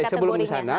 oke sebelum disana